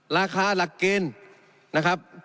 ราคาหลักเกณฑ์นะครับ